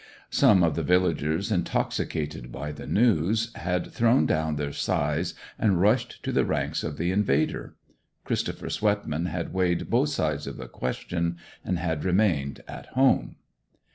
Some of the villagers, intoxicated by the news, had thrown down their scythes, and rushed to the ranks of the invader. Christopher Swetman had weighed both sides of the question, and had remained at home.